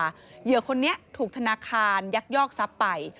เหยื่อคนนี้ถูกธนาคารยักษ์ยอกซับไป